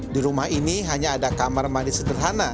di rumah ini hanya ada kamar mandi sederhana